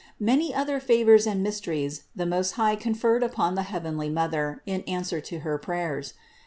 Many other favors and mysteries the Most High con firmed upon the heavenly Mother in answer to her pray ers.